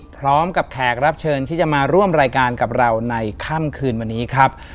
แขกรับเชิญที่จะมาร่วมรายการกับเราในค่ำคืนวันนี้ครับ